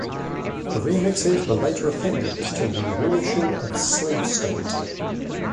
The remixes were later appended to the reissue of "Slavestate".